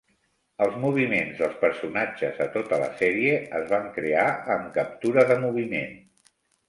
Els moviments dels personatges a tota la sèrie es van crear amb captura de moviment.